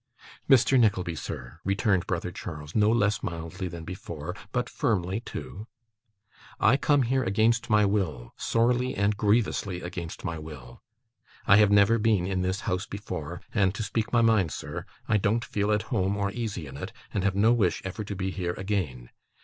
'Mr. Nickleby, sir,' returned brother Charles: no less mildly than before, but firmly too: 'I come here against my will, sorely and grievously against my will. I have never been in this house before; and, to speak my mind, sir, I don't feel at home or easy in it, and have no wish ever to be here again.